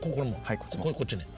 こっちに。